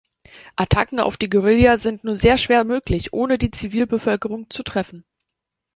Attacken auf die Guerilla sind nur sehr schwer möglich, ohne die Zivilbevölkerung zu treffen.